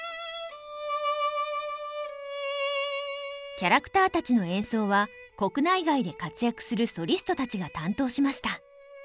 キャラクターたちの演奏は国内外で活躍するソリストたちが担当しました。